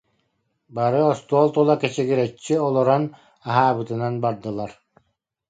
Бары остуол тула кэчигирэччи олорон, аһаабытынан бардылар